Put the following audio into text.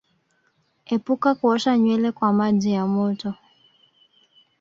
Epuka kuosha nywele kwa maji ya moto